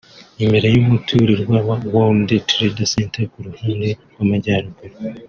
Imbere y’umuturirwa wa World Trade Center ku ruhande rw’amajyaruguru